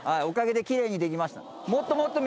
おかげできれいに出来ました。